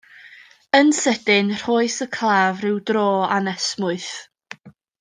Yn sydyn, rhoes y claf ryw dro anesmwyth.